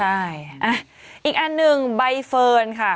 ใช่อีกอันหนึ่งใบเฟิร์นค่ะ